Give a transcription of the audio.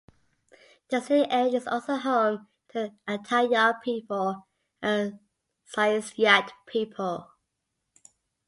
The scenic area is also home to the Atayal people and Saisiyat people.